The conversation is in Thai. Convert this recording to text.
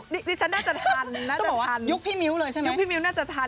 นี่ฉันน่าจะทันน่าจะทัน